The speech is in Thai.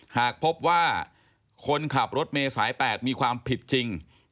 หากพบว่าคนขับรถเมย์สาย๘มีความผิดจริง